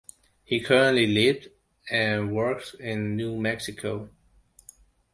He currently lives and works in New Mexico.